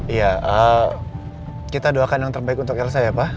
iya kita doakan yang terbaik untuk elsa ya pak